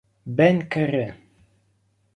Ben Carré